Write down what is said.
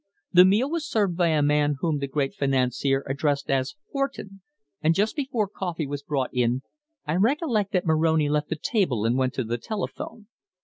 The meal was served by a man whom the great financier addressed as Horton, and just before coffee was brought in I recollect that Moroni left the table and went to the telephone.